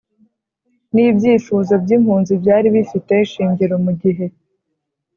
n'ibyifuzo by'impunzi byari bifite ishingiro mu gihe